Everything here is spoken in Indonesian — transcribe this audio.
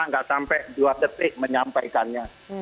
nggak sampai dua detik menyampaikannya